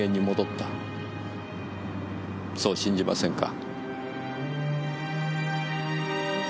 そう信じませんか？